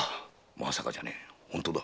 まさかじゃねえ本当だ。